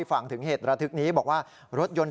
มีรถเก๋งแดงคุณผู้ชมไปดูคลิปกันเองนะฮะ